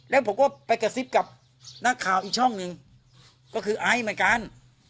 แล้วผมก็ไปกระซิบกับนักข่าวอีกช่องหนึ่งก็คือไอซ์เหมือนกัน